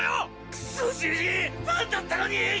クソジジィファンだったのにぃ！